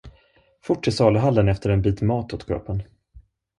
Fort till saluhallen efter en bit mat åt kroppen.